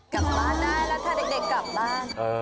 กลับบ้านได้แล้วถ้าเด็กกลับบ้าน